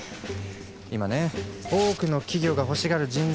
今ね多くの企業が欲しがる人材